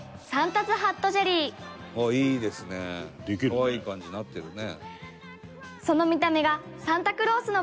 「可愛い感じになってるね」